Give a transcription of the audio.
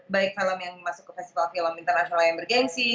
baik film yang masuk ke festival film internasional yang bergensi